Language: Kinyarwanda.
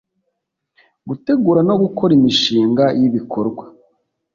gutegura no gukora imishinga y ibikorwa